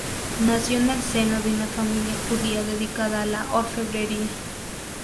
Nació en el seno de una familia judía dedicada a la orfebrería.